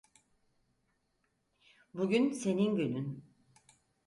Bugün senin günün.